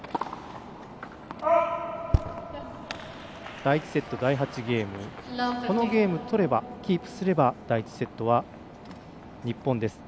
第１セット、第８ゲームこのゲームキープすれば、第１セットは日本です。